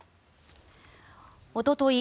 おととい